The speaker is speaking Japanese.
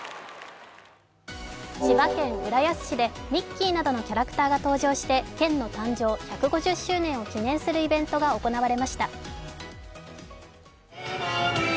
千葉県浦安市でミッキーなどのキャラクターが登場して県の誕生１５０周年を記念するイベントが開かれました。